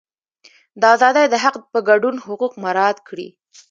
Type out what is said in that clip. د ازادۍ د حق په ګډون حقوق مراعات کړي.